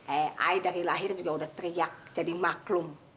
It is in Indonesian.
eh ay dari lahir juga udah teriak jadi maklum